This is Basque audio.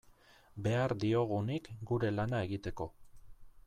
Behar diogunik gure lana egiteko.